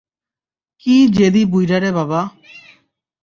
কী জেঁদী বুইড়া রে বাবা।